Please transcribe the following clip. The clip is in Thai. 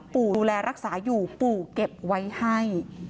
ดูแลรักษาอยู่ปู่เก็บไว้ให้